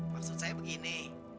maksud saya begini